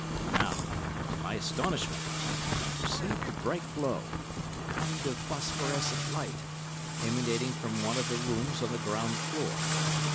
Now, to my astonishment, I perceived a bright glow—a kind of phosphorescent light—emanating from one of the rooms on the ground floor.